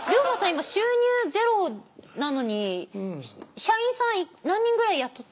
今収入０なのに社員さん何人ぐらい雇ってらっしゃるんですか？